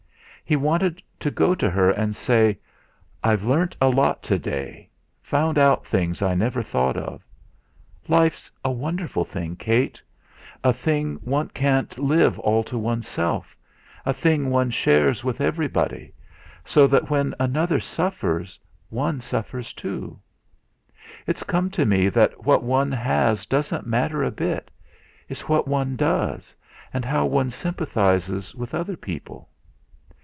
He wanted to go to her and say: "I've learnt a lot to day found out things I never thought of. Life's a wonderful thing, Kate, a thing one can't live all to oneself; a thing one shares with everybody, so that when another suffers, one suffers too. It's come to me that what one has doesn't matter a bit it's what one does, and how one sympathises with other people.